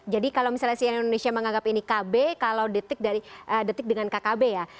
jadi kalau misalnya si indonesia menganggap ini kb kalau detik dengan kkb ya